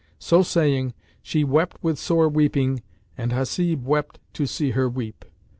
So saying, she wept with sore weeping and Hasib wept to see her weep.